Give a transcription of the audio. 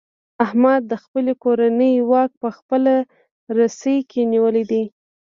احمد د خپلې کورنۍ واک په خپله رسۍ کې نیولی دی.